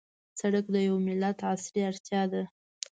سړک د یوه ملت عصري اړتیا ده.